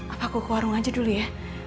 apa aku ke warung aja dulu ya